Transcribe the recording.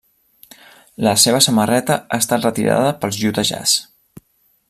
La seva samarreta ha estat retirada pels Utah Jazz.